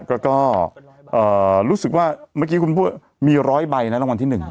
ก็ก็เอ่อรู้สึกว่าเมื่อกี้คุณพูดมีร้อยใบนะละวันที่หนึ่ง